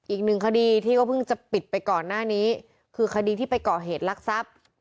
อีกหนึ่งคดีที่ก็เพิ่งจะปิดไปก่อนหน้านี้คือคดีที่ไปก่อเหตุลักษัพ